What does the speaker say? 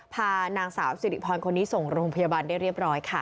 พานางสาวสิริพรคนนี้ส่งโรงพยาบาลได้เรียบร้อยค่ะ